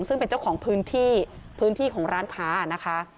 ซึ่งเป็นเจ้าของพื้นที่พื้นที่ของร้านค้านะคะ